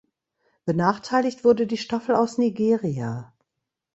Benachteiligt wurde die Staffel aus Nigeria.